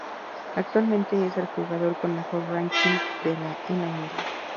Actualmente es el jugador con mejor ranking en la India.